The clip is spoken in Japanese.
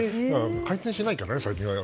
回転しないからね、最近は。